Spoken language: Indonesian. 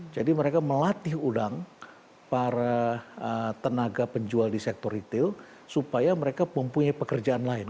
jadi mereka melatih undang para tenaga penjual di sektor retail supaya mereka mempunyai pekerjaan lain